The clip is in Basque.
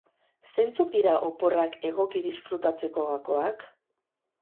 Zeintzuk dira oporrak egoki disfrutatzeko gakoak?